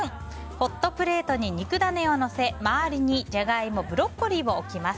ホットプレートに肉ダネをのせ周りにジャガイモブロッコリーを置きます。